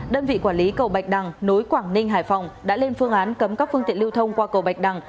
đơn vị quản lý cầu bạch đăng nối quảng ninh hải phòng đã lên phương án cấm các phương tiện lưu thông qua cầu bạch đằng